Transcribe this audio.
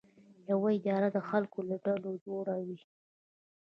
یوه اداره د خلکو له ډلو جوړه وي.